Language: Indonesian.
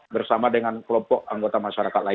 bersama dengan kelompok anggota masyarakat lain